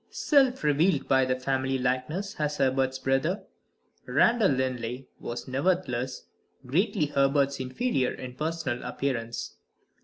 Self revealed by the family likeness as Herbert's brother, Randal Linley was nevertheless greatly Herbert's inferior in personal appearance.